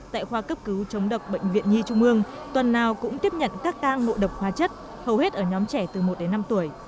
tại khoa cấp cứu chống độc bệnh viện nhi trung ương tuần nào cũng tiếp nhận các cang nội độc hóa chất hầu hết ở nhóm trẻ từ một đến năm tuổi